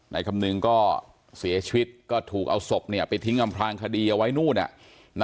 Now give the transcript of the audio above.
คำนึงก็เสียชีวิตก็ถูกเอาศพไปทิ้งอำพลางคดีเอาไว้นู่น